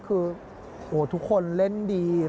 คือทุกคนเล่นดี